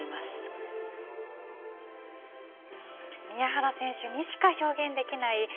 宮原選手にしか表現できない